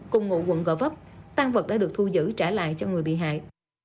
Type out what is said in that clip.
cùng ngụ quận gò vấp tăng vật đã được thu giữ trả lại cho người bị hại